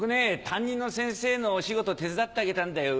担任の先生のお仕事手伝ってあげたんだよ。